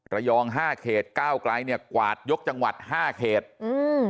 รยอง๕เขตกล้าไกรเนี่ยกวาดยกจังหวัด๕เขตอืม